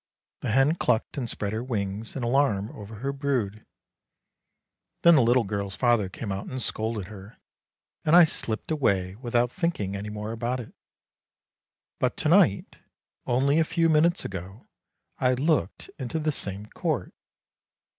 The hen clucked and spread her wings in alarm over her brood. Then the little girl's father came out and scolded her, and I slipped away without thinking any more about it. But to night, only a few minutes ago, I looked into the same court.